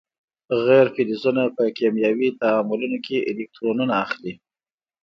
غیر فلزونه په کیمیاوي تعاملونو کې الکترونونه اخلي.